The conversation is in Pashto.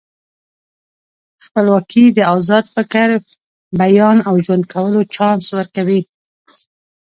خپلواکي د ازاد فکر، بیان او ژوند کولو چانس ورکوي.